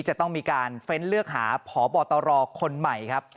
จะต้องมีการเฟ้นเลือกหาพบตรคนใหม่ครับ